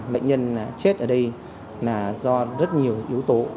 bệnh nhân chết ở đây là do rất nhiều yếu tố